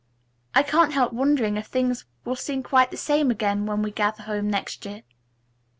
I can't help wondering if things will seem quite the same again when we gather home next year."